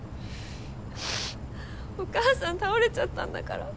お母さん倒れちゃったんだから。